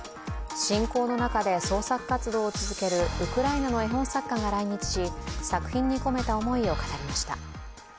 侵攻の中で創作活動を続けるウクライナの絵本作家が来日し、作品に込めた思いを語りました。